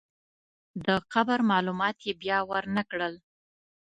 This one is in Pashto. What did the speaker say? د قبر معلومات یې بیا ورنکړل.